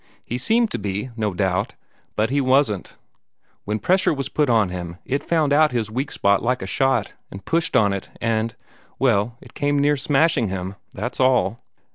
He seemed to be, no doubt, but he wasn't. When pressure was put on him, it found out his weak spot like a shot, and pushed on it, and well, it came near smashing him, that's all."